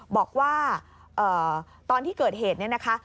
บอกว่าตอนที่เกิดเหตุเนี่ยนะคะ